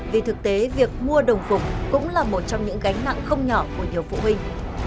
vì thực tế việc mua đồng phục cũng là một trong những gánh nặng không nhỏ của nhiều phụ huynh